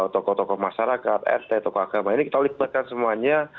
tokoh tokoh masyarakat rt tokoh agama ini kita libatkan semuanya